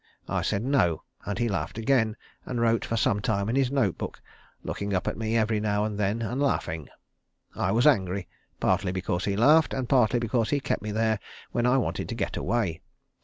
I said no; and he laughed again, and wrote for some time in his note book, looking up at me every now and then and laughing. I was angry, partly because he laughed, and partly because he kept me there when I wanted to get away.